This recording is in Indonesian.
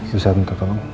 susah bentar tolong